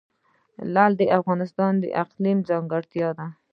لعل د افغانستان د اقلیم ځانګړتیا ده.